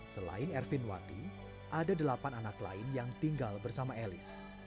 selain ervin wati ada delapan anak lain yang tinggal bersama elis